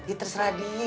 ih terserah dia